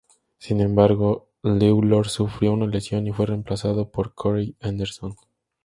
Sin embargo, Lawlor sufrió una lesión y fue reemplazado por Corey Anderson.